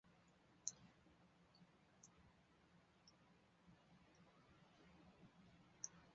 而他的姐夫是前无线电视新闻主播叶升瓒。